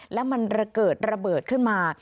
แล้วมันเกิดระเบิดขึ้นมา